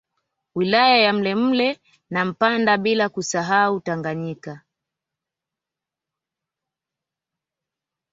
Wilaya ya Mlele na Mpanda bila kusahau Tanganyika